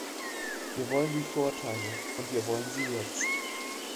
Wir wollen die Vorteile, und wir wollen sie jetzt.